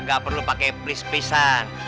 kagak perlu pake please please an